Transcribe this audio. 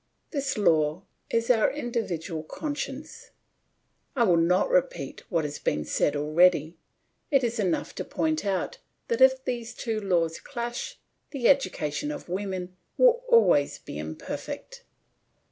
This law is our individual conscience. I will not repeat what has been said already; it is enough to point out that if these two laws clash, the education of women will always be imperfect.